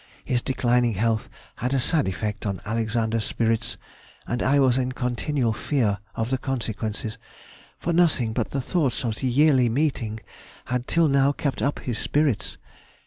His declining health had a sad effect on Alexander's spirits, and I was in continual fear of the consequences; for nothing but the thoughts of the yearly meeting had till now kept up his spirits.